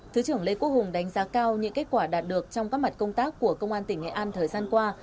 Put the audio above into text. thứ trưởng lê quốc hùng đánh giá cao những kết quả đạt được trong các mặt công tác của công an tỉnh nghệ an thời gian qua